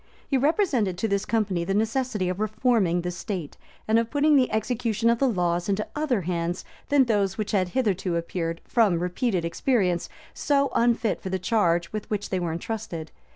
He represented to this company the necessity of reforming the state, and of putting the execution of the laws into other hands than those which had hitherto appeared, from repeated experience, so unfit for the charge with which they were intrusted.